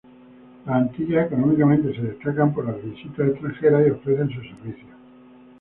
Las Antillas económicamente se destacan por las visitas extranjeras y ofrecen sus servicios